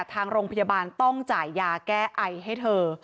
ทางโรงพยาบาลต้องจ่ายยาแก้ไอให้เธอ